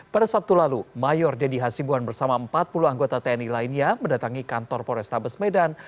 pada sabtu lalu mayor dedy hasibuan bersama empat puluh anggota tni lainnya mendatangi kantor polrestabes medan